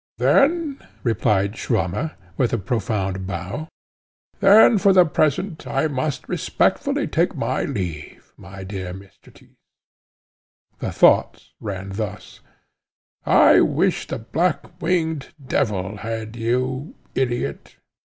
"Then," replied Swammer, with a profound bow, "then for the present I most respectfully take my leave, my dear Mr. Tyss." The thoughts ran thus: "I wish the blackwinged devil had you, idiot!"